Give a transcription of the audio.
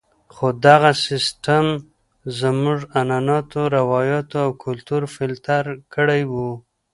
خو دغه سیستم زموږ عنعناتو، روایاتو او کلتور فلتر کړی وو.